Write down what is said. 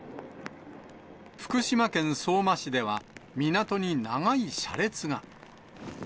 福島県相馬市では、港に長い車列が。